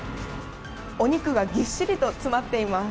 お肉がぎっしりと詰まっています。